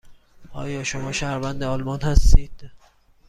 آیا شما شهروند آلمان هستید؟